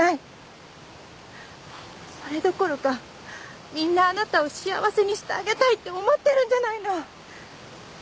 それどころかみんなあなたを幸せにしてあげたいって思ってるんじゃないの！